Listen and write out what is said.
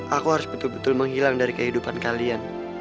aku harus betul betul menghilang dari kehidupan kalian